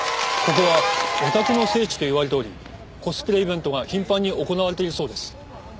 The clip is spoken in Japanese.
ここはオタクの聖地と言われておりコスプレイベントが頻繁に行われているそうです。